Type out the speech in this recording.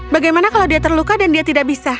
bagaimana kalau dia terluka dan dia tidak bisa